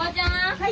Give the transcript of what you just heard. ・はい。